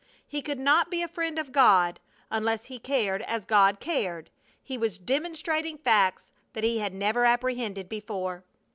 He could not be a friend of God unless he cared as God cared! He was demonstrating facts that he had never apprehended before.